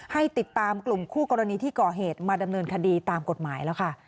ให้ติดตามกลุ่มคู่กรณีที่ก่อเหตุมาดำเนินคดีตามกฎหมายแล้วค่ะ